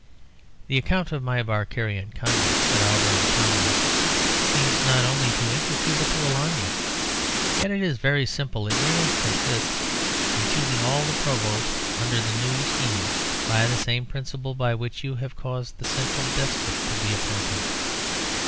"The account of my Barkerian conduct," said Auberon, calmly, "seems not only to interest, but to alarm you. Yet it is very simple. It merely consists in choosing all the provosts under any new scheme by the same principle by which you have caused the central despot to be appointed.